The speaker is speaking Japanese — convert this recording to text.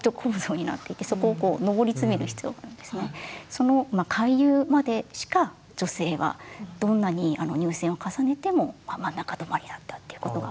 その会友までしか女性はどんなに入選を重ねてもまあ真ん中止まりだったっていうことが。